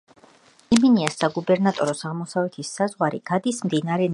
ელ-მინიას საგუბერნატოროს აღმოსავლეთის საზღვარი გადის მდინარე ნილოსზე.